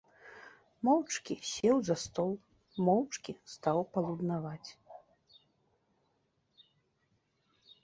Моўчкі сеў за стол, моўчкі стаў палуднаваць.